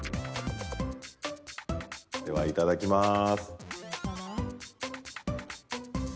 では、いただきます。